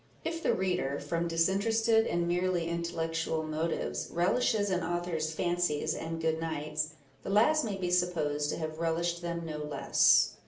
If the reader, from disinterested and merely intellectual motives, relishes an author's " fancies and good nights," the last may be supposed to have relished them no less.